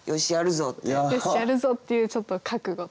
「よしやるぞ！」っていうちょっと覚悟というか。